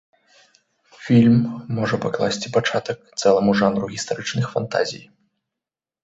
Фільм можа пакласці пачатак цэламу жанру гістарычных фантазій.